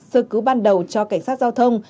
sơ cứu ban đầu cho cảnh sát giao thông